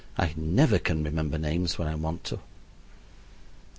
I never can remember names when I want to.)